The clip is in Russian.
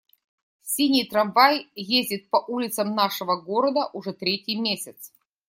Синий трамвай ездит по улицам нашего города уже третий месяц.